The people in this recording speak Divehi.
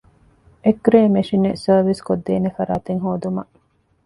އެކްރޭ މެޝިން ސަރވިސްކޮށްދޭނެ ފަރާތެއް ހޯދުމަށް